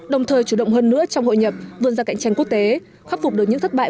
đồng thời chủ động hơn nữa trong hội nhập vươn ra cạnh tranh quốc tế khắc phục được những thất bại